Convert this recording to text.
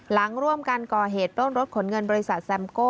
หลังร่วมกันก่อเหตุปล้นรถขนเงินบริษัทแซมโก้